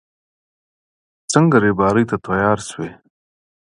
څنګه رېبارۍ ته تيار شوې.